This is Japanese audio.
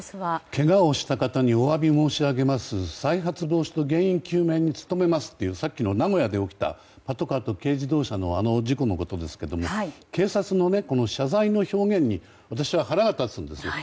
けがをした方にお詫び申し上げます再発防止と原因究明に努めますというさっきの名古屋で起きたパトカーと軽自動車のあの事故のことですけども警察の謝罪の表現に私は腹が立つんですよ。